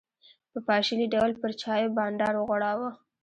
په پاشلي ډول پر چایو بانډار وغوړاوه.